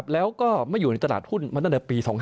แล้วก็ไม่อยู่ในตลาดหุ้นมาตั้งแต่ปี๒๕๕